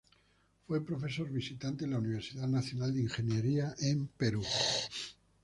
Fue profesor visitante en la Universidad Nacional de Ingeniería en Perú.